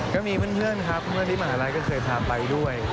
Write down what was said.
ก็มีเพื่อนครับเพื่อนที่มหาลัยก็เคยพาไปด้วย